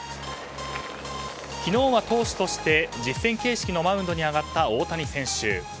昨日は投手として実戦形式のマウンドに上がった大谷選手。